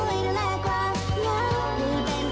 ก็แค่ต้องการให้ค่ายมาคอยช่วย